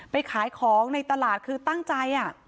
ขายของในตลาดคือตั้งใจ